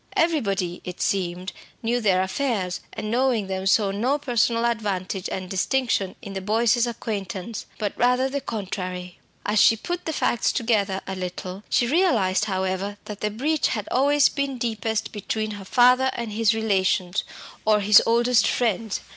Everybody, it seemed, knew their affairs, and knowing them saw no personal advantage and distinction in the Boyces' acquaintance, but rather the contrary. As she put the facts together a little, she realised, however, that the breach had always been deepest between her father and his relations, or his oldest friends.